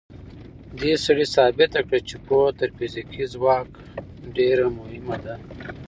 دې سړي ثابته کړه چې پوهه تر فزیکي ځواک ډېره مهمه ده.